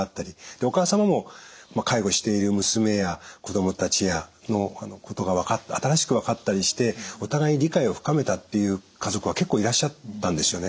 でお母様も介護している娘や子供たちのことが新しく分かったりしてお互い理解を深めたっていう家族は結構いらっしゃったんですよね。